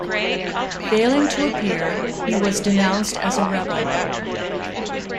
Failing to appear, he was denounced as a rebel.